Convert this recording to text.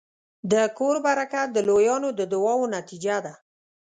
د کور برکت د لویانو د دعاوو نتیجه ده.